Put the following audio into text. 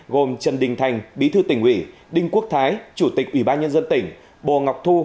gồm trần đình thành bí thư tỉnh ủy đinh quốc thái chủ tịch ủy ban nhân dân tỉnh bồ ngọc thu